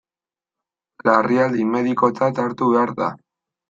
Larrialdi medikotzat hartu behar da.